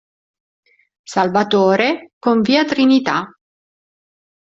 Salvatore con via Trinità.